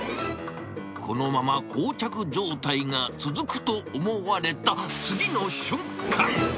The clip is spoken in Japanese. このままこう着状態が続くと思われた、次の瞬間。